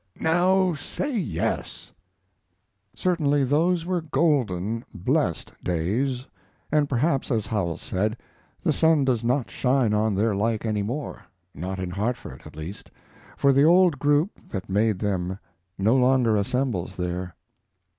Now, say yes. Certainly those were golden, blessed days, and perhaps, as Howells says, the sun does not shine on their like any more not in Hartford, at least, for the old group that made them no longer assembles there.